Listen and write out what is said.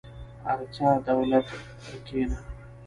ارڅه دولته کينه.